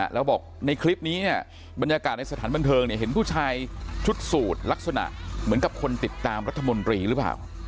แล้วบอกในคลิปนี้เนี่ยบรรยากาศในสถานบันเทิงเห็นผู้ชายชุดสูตรลักษณะเหมือนกับคนติดตามรัฐมนตรีหรือเปล่า